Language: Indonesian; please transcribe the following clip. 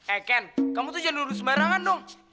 eh ken kamu tuh jangan lurus merah kan dong